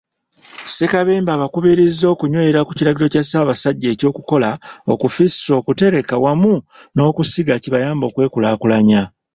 Ssekabembe abakubirizza okunywerera ku kiragiro kya Ssaabasajja eky'okukola, okufissa, okutereka wamu n'okusiga kibayambe okwekulaakulanya.